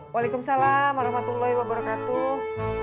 waalaikumsalam warahmatullahi wabarakatuh